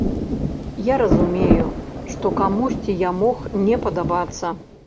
Я разумею, што камусьці я мог не падабацца.